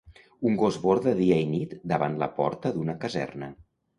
Un gos borda dia i nit davant la porta d’una caserna.